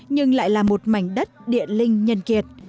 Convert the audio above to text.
nhưng lại là một mảnh đất địa linh nhân kiệt